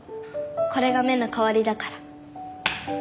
これが目の代わりだから。